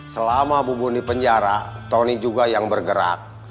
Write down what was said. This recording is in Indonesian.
selama bubun di penjara tony juga yang bergerak